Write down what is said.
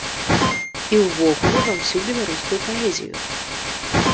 І ўвогуле ва ўсю беларускую паэзію.